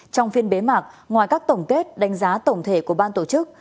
trong phiên bế mạc ngoài các tổng kết đánh giá tổng thể của ban tổ chức